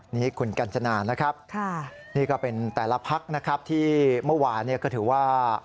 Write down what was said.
นี่คุณกัญจนานะครับนี่ก็เป็นแต่ละพักนะครับที่เมื่อวานก็ถือว่า